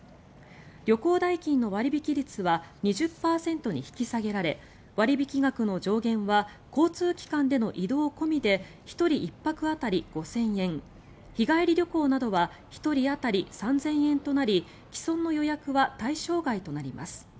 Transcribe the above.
旅行代金の割引率は２０％に引き下げられ割引額の上限は交通機関での移動込みで１人１泊当たり５０００円日帰り旅行などは１人当たり３０００円となり既存の予約は対象外となります。